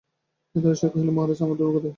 কেদারেশ্বর কহিলেন মহারাজ, আমার ধ্রুব কোথায়?